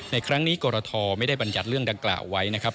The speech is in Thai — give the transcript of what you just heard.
ในครั้งนี้กรทไม่ได้บรรยัติเรื่องดังกล่าวไว้นะครับ